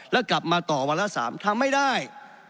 แล้วกลับมาต่อวันละ๓ทำไม่ได้